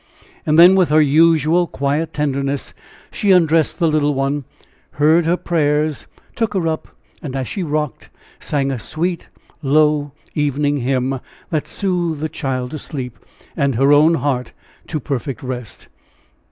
And then with her usual quiet tenderness she undressed the little one, heard her prayers, took her up, and as she rocked, sang a sweet, low evening hymn, that soothed the child to sleep and her own heart to perfect rest.